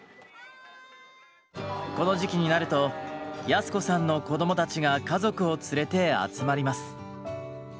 この時期になると靖子さんの子供たちが家族を連れて集まります。